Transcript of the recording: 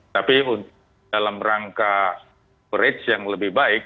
tapi dalam rangka yang lebih baik